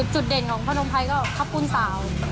จุดเด่นของพระนมพัยก็ค้าวปุ้นซาว